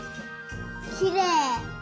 きれい。